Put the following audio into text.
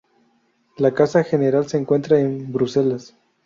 La casa general se encuentra en Bruselas.